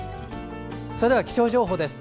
それでは、気象情報です。